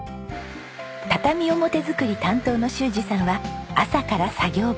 畳表作り担当の修二さんは朝から作業場。